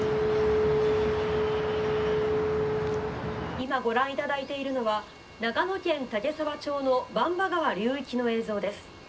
「今ご覧いただいているのは長野県岳沢町の番場川流域の映像です。